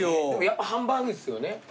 やっぱハンバーグですよね。